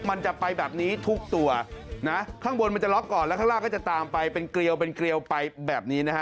มันจะไปแบบนี้ทุกตัวนะข้างบนมันจะล็อกก่อนแล้วข้างล่างก็จะตามไปเป็นเกลียวเป็นเกลียวไปแบบนี้นะฮะ